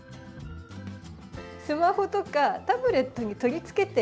スマホとかタブレットに取りつけて。